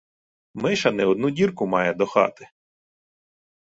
Миша не одну дірку має до хати.